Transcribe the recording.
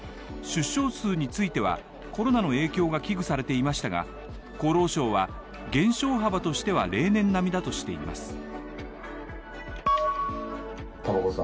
出生数についてはコロナの影響が危惧されていましたが厚労省は、減少幅としては例年並みだとしています。